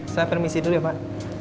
saya permisi dulu ya pak